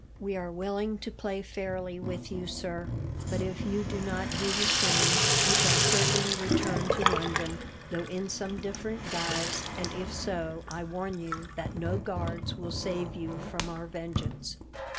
We are willing to play fairly with you, sir, but if you do not do the same, we shall certainly return to London, though in some different guise, and, if so, I warn you that no guards will save you from our vengeance."